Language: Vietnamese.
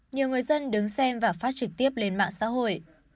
nhiều người dân đứng xem và phát trực tiếp lên mạng xã hội